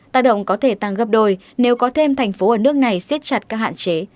tác động có thể tăng gấp đôi nếu có thêm thành phố ở nước này siết chặt các hạn chế